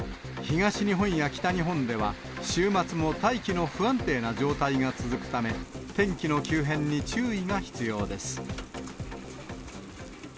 東日本や北日本では、週末も大気の不安定な状態が続くため、天気の急変に注意が必要です。